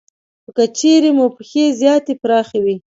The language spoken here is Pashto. خو که چېرې مو پښې زیاتې پراخې وي